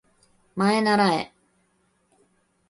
まえならえ